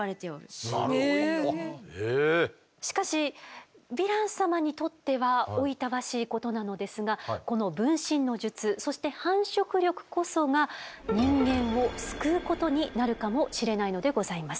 しかしヴィラン様にとってはおいたわしいことなのですがこの分身の術そして繁殖力こそが人間を救うことになるかもしれないのでございます。